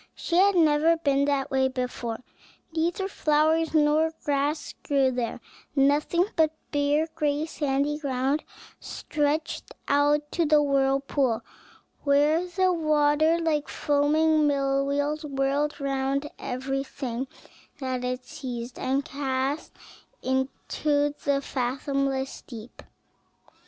She had never been that way before: neither flowers nor grass grew there; nothing but bare, gray, sandy ground stretched out to the whirlpool, where the water, like foaming mill wheels, whirled round everything that it seized, and cast it into the fathomless deep.